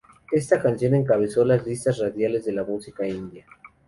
Esta canción encabezó las listas radiales de la música india.